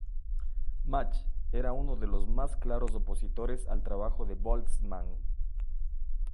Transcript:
Mach era uno de los más claros opositores al trabajo de Boltzmann.